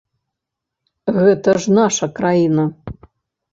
Гэта ж наша краіна.